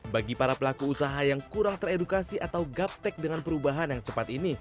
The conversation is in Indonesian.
bagi para pelaku usaha yang kurang teredukasi atau gaptek dengan perubahan yang cepat ini